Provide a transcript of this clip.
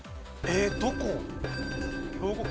えっどこ？